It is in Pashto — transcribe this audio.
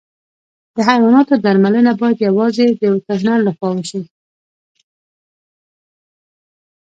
د حیواناتو درملنه باید یوازې د وترنر له خوا وشي.